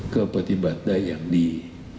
ก็ปฏิบัติได้อย่างดี